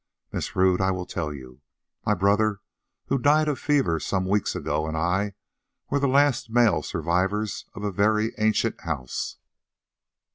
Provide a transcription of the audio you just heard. "Miss Rodd, I will tell you. My brother, who died of fever some weeks ago, and I were the last male survivors of a very ancient house.